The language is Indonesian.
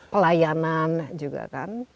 pelayanan juga kan